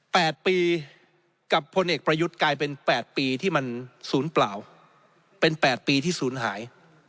แปดปีกับพลเอกประยุทธ์กลายเป็นแปดปีที่มันศูนย์เปล่าเป็นแปดปีที่ศูนย์หาย